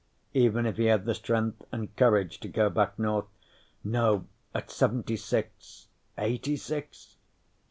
Even if he had the strength and courage to go back north no, at seventy six (eighty six?)